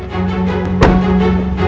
tolong buka pintunya